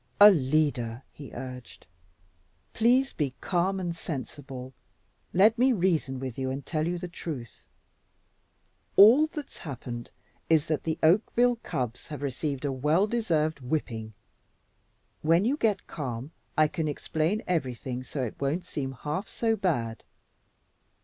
"Alida," he urged, "please be calm and sensible. Let me reason with you and tell you the truth. All that's happened is that the Oakville cubs have received a well deserved whipping. When you get calm, I can explain everything so it won't seem half so bad.